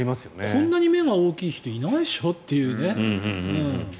こんなに目が大きい人いないでしょって。